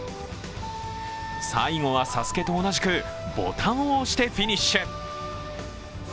最後は「ＳＡＳＵＫＥ」と同じくボタンを押してフィニッシュ。